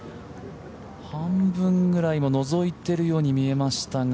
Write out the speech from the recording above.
半分ぐらいのぞいているように見えましたが。